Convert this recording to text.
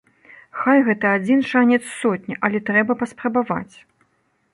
Хай гэта адзін шанец з сотні, але трэба паспрабаваць.